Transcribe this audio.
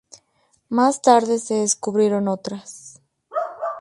Más tarde se descubrieron otras.